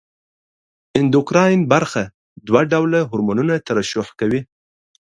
اندوکراین برخه دوه ډوله هورمونونه ترشح کوي.